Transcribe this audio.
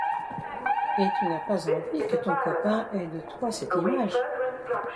Et tu n’as pas envie que ton copain ait de toi cette image.